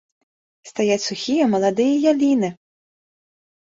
Стаяць сухія маладыя яліны!